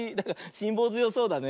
しんぼうづよそうだね。